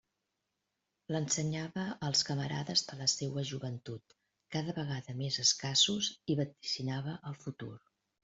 L'ensenyava als camarades de la seua joventut, cada vegada més escassos, i vaticinava el futur.